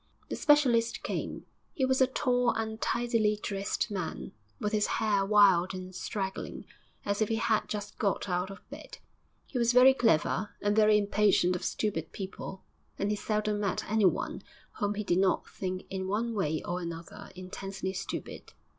The specialist came. He was a tall, untidily dressed man, with his hair wild and straggling, as if he had just got out of bed. He was very clever, and very impatient of stupid people, and he seldom met anyone whom he did not think in one way or another intensely stupid.